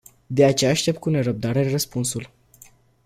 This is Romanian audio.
De aceea aștept cu nerăbdare răspunsul.